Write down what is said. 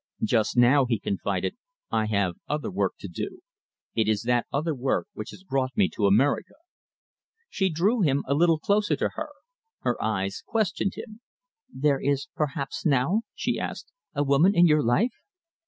"Just now," he confided, "I have other work to do. It is that other work which has brought me to America." She drew him a little closer to her. Her eyes questioned him. "There is, perhaps, now," she asked, "a woman in your life?"